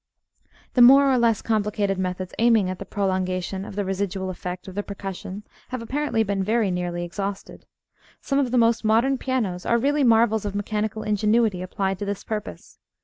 The more or less complicated methods aiming at the prolongation of the residual effect of the percussion have apparently been very nearly exhausted. Some of the most modern pianos are really marvels of mechanical ingenuity applied to this purpose.